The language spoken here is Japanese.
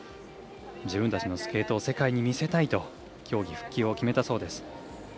自分たちのスケートを世界に見せたいと競技復帰を決めたそうです。